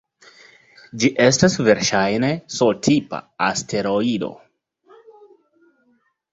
Ĝi estas verŝajne S-tipa asteroido.